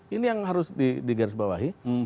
ini yang harus digarisbawahi